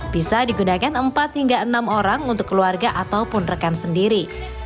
bisa digunakan empat hingga enam orang untuk keluarga ataupun rekan sendiri